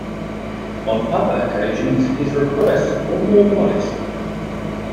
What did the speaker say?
On other occasions his requests were more modest.